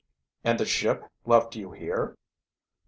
"And the ship left you here?"